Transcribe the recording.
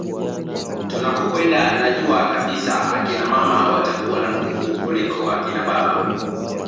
Tunakokwenda najua kabisa akina mama watakuwa na nguvu kuliko akina baba